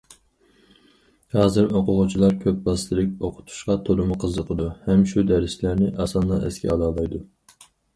ھازىر ئوقۇغۇچىلار كۆپ ۋاسىتىلىك ئوقۇتۇشقا تولىمۇ قىزىقىدۇ ھەم شۇ دەرسلەرنى ئاسانلا ئەسكە ئالالايدۇ.